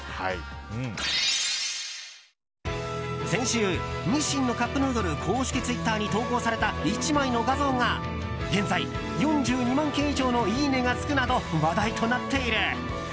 先週、日清のカップヌードル公式ツイッターに投稿された１枚の画像が現在４２万件以上のいいねがつくなど話題となっている。